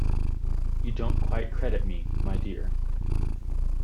You don't quite credit me, my dear!